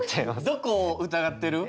どこを疑ってる？